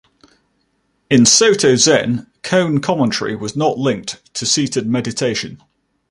In Soto-Zen, koan commentary was not linked to seated meditation.